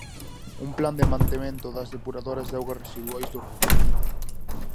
Un plan de mantemento das depuradoras de augas residuais do rural.